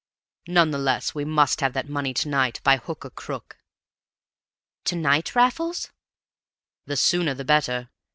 None the less we must have that money to night by hook or crook." "To night, Raffles?" "The sooner the better.